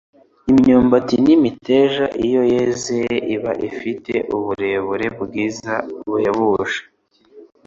imyumbati n'imiteja, iyo yeze iba ifite ubureburen'ubwiza buhebuje.